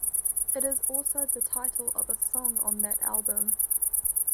It is also the title of a song on that album.